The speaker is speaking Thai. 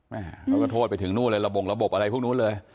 เขาก็โทษไปถึงนู่นเลยระบงระบบอะไรพวกนู้นเลย